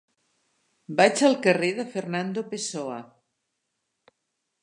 Vaig al carrer de Fernando Pessoa.